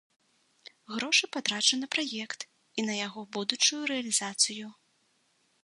Грошы патрачу на праект і на яго будучую рэалізацыю.